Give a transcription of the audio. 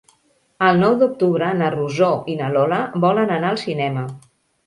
El nou d'octubre na Rosó i na Lola volen anar al cinema.